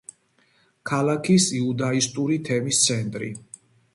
ქალაქის იუდაისტური თემის ცენტრი.